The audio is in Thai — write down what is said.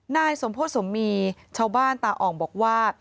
นายสมโพธิสมมีชาวบ้านตาอ่องบอกว่า